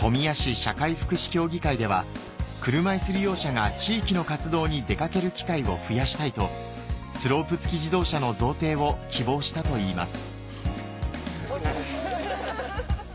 社会福祉協議会では車いす利用者が地域の活動に出掛ける機会を増やしたいとスロープ付き自動車の贈呈を希望したといいます